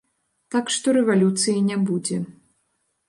Так што рэвалюцыі не будзе.